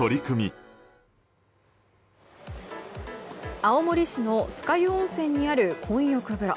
青森市の酸ヶ湯温泉にある混浴風呂。